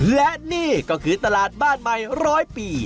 และนี่ก็คือตลาดบ้านใหม่ร้อยปี